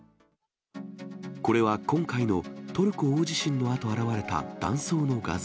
これは今回のトルコ大地震のあと現れた断層の画像。